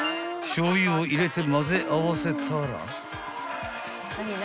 ［しょうゆを入れて混ぜ合わせたら］